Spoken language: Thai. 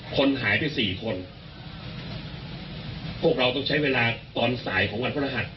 คนหายไปสี่คนพวกเราต้องใช้เวลาตอนสายของวันพระรหัส